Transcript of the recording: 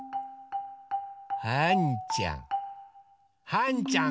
はんちゃん